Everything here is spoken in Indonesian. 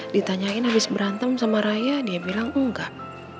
ditanyain habis berantem sama raya dia bilang enggak